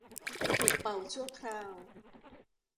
ถูกเป่าชั่วคราว